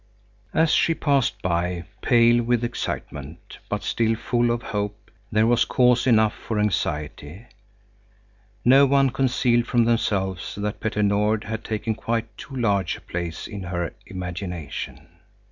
As she passed by, pale with excitement, but still full of hope, there was cause enough for anxiety. No one concealed from themselves that Petter Nord had taken quite too large a place in her imagination.